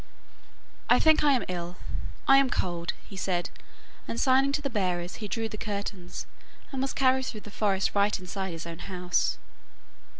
'I think I am ill; I am cold,' he said, and signing to the bearers, he drew the curtains, and was carried through the forest right inside his own house.